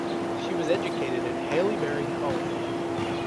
She was educated at Haileybury College.